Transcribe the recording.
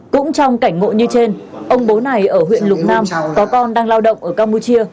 cũng trong cảnh ngộ như trên ông bố này ở huyện lục nam có con đang lao động ở campuchia